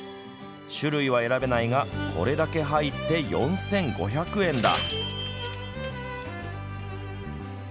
種類は選べないがこれだけ入って４５００円だ。